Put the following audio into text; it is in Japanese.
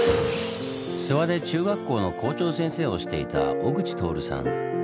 諏訪で中学校の校長先生をしていた小口徹さん。